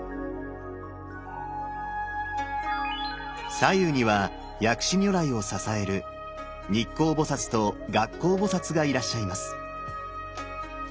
左右には薬師如来を支える日光菩と月光菩がいらっしゃいます。